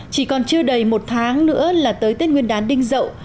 chỉ còn chưa đầy một tháng nữa là tới tết nguyên đán đinh rậu